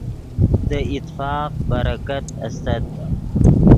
دے اتفاق برکت استت